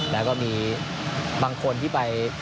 และมีบางคนที่ไป